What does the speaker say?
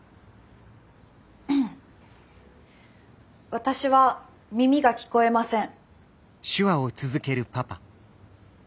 私は耳が聞こえません。